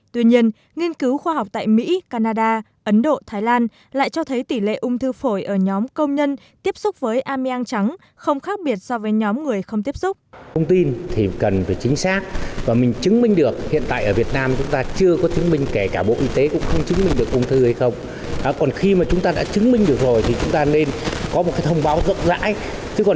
tuy nhiên nghiên cứu khoa học tại mỹ canada ấn độ thái lan lại cho thấy tỷ lệ ung thư phổi ở nhóm công nhân tiếp xúc với amiang trắng không khác biệt so với nhóm người không tiếp xúc